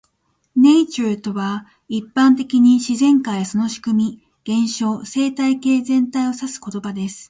"Nature" とは、一般的に自然界やその仕組み、現象、生態系全体を指す言葉です。